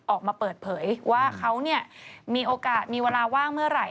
ออกมาเปิดเผยว่าเขามีโอกาสมีเวลาว่างเมื่อไหร่